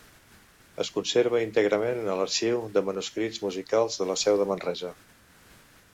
Es conserva íntegrament a l'Arxiu de Manuscrits Musicals de la Seu de Manresa.